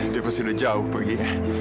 dia pasti udah jauh pergi